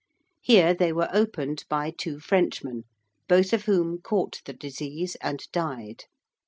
Here they were opened by two Frenchmen, both of whom caught the disease and died.